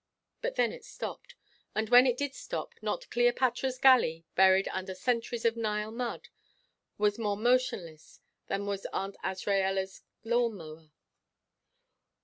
But then it stopped, and when it did stop not Cleopatra's galley, buried under centuries of Nile mud, was more motionless than was Aunt Azraella's lawn mower.